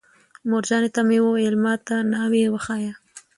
مورجانې ته مې ویل: ما ته ناوې وښایه.